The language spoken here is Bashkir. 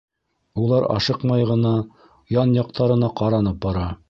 Улар ашыҡмай ғына, ян-яҡтарына ҡаранып бара.